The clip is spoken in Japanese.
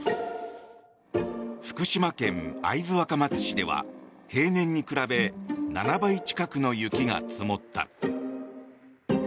福島県会津若松市では平年に比べ７倍近くの雪が積もった。